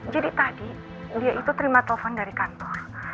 jadi tadi dia itu terima telpon dari kantor